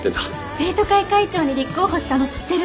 生徒会会長に立候補したの知ってる？